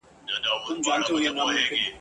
هغه لاري به تباه کړو چي رسیږي تر بېلتونه ,